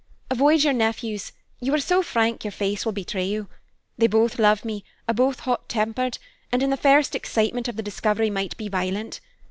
Avoid your nephews; you are so frank your face will betray you. They both love me, are both hot tempered, and in the first excitement of the discovery might be violent.